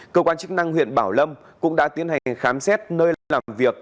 cơ quan chức năng huyện bảo lâm cũng đã tiến hành khám xét nơi lên làm việc